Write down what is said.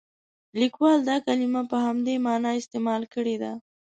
لیکوال دا کلمه په همدې معنا استعمال کړې ده.